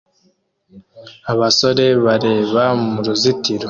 Abasore bareba mu ruzitiro